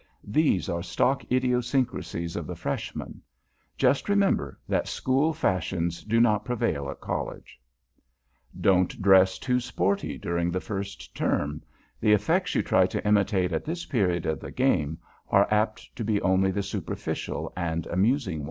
These are stock idiosyncrasies of the Freshman. Just remember that School fashions do not prevail at College. [Sidenote: THE "SPORTY" DRESSER] Don't dress too "sporty," during the first term. The effects you try to imitate at this period of the game are apt to be only the superficial and amusing ones.